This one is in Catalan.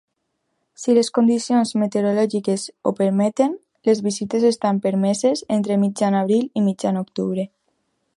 Si les condicions meteorològiques ho permeten, les visites estan permeses entre mitjan abril i mitjan octubre.